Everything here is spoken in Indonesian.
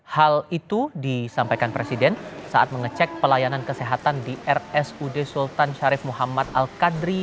hal itu disampaikan presiden saat mengecek pelayanan kesehatan di rsud sultan syarif muhammad al qadri